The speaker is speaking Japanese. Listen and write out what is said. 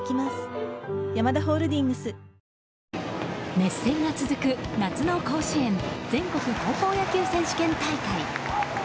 熱戦が続く夏の甲子園全国高校野球選手権大会。